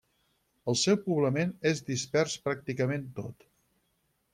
El seu poblament és dispers pràcticament tot.